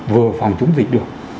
vừa phòng chống dịch được